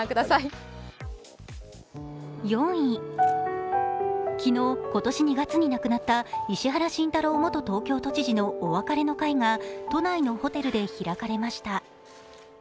４位、昨日今年２月に亡くなった石原慎太郎元東京都知事のお別れの会が都内のホテルで開かれました。